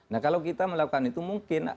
nah kalau kita melakukan itu mungkin